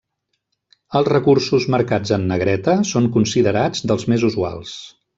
Els recursos marcats en negreta són considerats dels més usuals.